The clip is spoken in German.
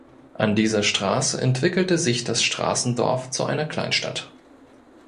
An dieser Straße entwickelte sich das Straßendorf zu einer Kleinstadt.